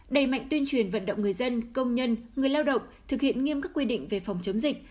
đẩy mạnh tuyên truyền vận động người dân công nhân người lao động thực hiện nghiêm các quy định về phòng chống dịch